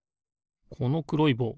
このくろいぼう